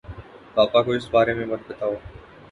پاپا کو اِس بارے میں مت بتاؤ۔